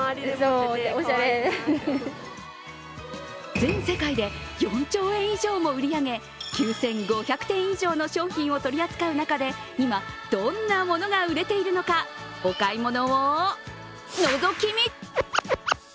全世界で４兆円以上も売り上げ、９５００点以上の商品を取り扱う中で今、どんなものが売れているのか、お買い物をのぞき見。